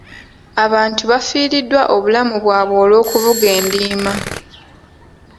Abantu bafiiriddwa obulamu bwabwe olw'okuvuga endiima.